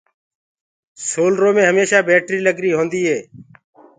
سولرو مي هميشآ بيٽري لگري هوندي اي